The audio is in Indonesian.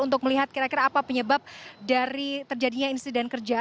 untuk melihat kira kira apa penyebab dari terjadinya insiden kerja